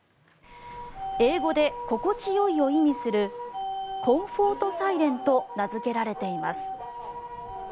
英語で心地よいを意味するコンフォート・サイレンと名付けられています。